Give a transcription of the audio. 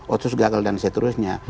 otsus gagal dan seterusnya